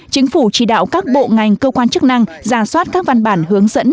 chính phủ chỉ đạo các bộ ngành cơ quan chức năng giả soát các văn bản hướng dẫn